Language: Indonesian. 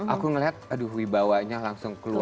aku ngeliat aduh wibawanya langsung keluar